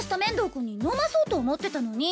君に飲まそうと思ってたのに。